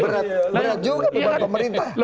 berat juga bukan pemerintah